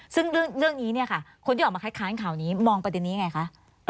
ซึ่งเรื่องนี้ค่ะคนที่ออกมาค้านข่าวนี้มองประเด็นนี้อย่างไรคะ